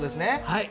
はい。